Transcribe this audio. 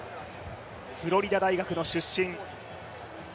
フロリダ大学の出身。